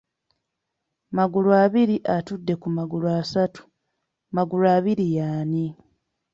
Magulu abiri atudde ku “magulu” asatu. Magulu abiri ye ani?